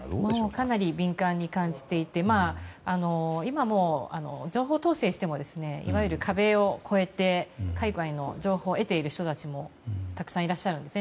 かなり敏感に感じていて今、情報統制をしてもいわゆる壁を越えて海外の情報を得ている人たちもたくさんいらっしゃるんです。